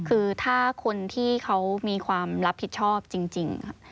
คือถ้าคนที่เขามีความรับผิดชอบจริง